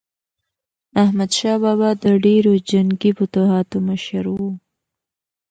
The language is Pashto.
احمدشاه بابا د ډیرو جنګي فتوحاتو مشر و.